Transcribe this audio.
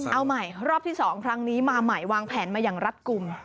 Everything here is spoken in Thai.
เอาใหม่รอบที่๒ครั้งนี้มาใหม่วางแผนมาอย่างรัฐกลุ่ม